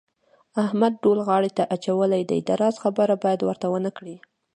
احمد ډول غاړې ته اچولی دی د راز خبره باید ورته ونه کړې.